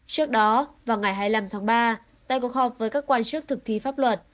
trước đó vào ngày hai mươi năm tháng ba tại cuộc họp với các quan chức thực thi pháp luật